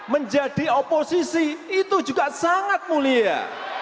menjadi oposisi itu juga sangat mulia